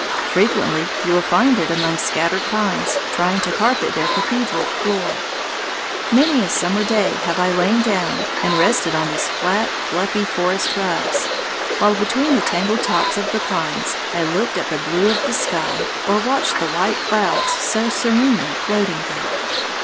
Frequently you will find it among scattered pines, trying to carpet their cathedral floor. Many a summer day I have lain down and rested on these flat and fluffy forest rugs, while between the tangled tops of the pines I looked at the blue of the sky or watched the white clouds so serenely floating there.